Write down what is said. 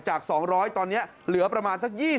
จาก๒๐๐ตอนนี้เหลือประมาณสัก๒๐